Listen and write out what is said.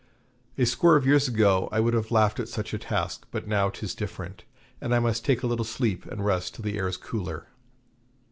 A score of years ago I would have laughed at such a task, but now 'tis different, and I must take a little sleep and rest till the air is cooler.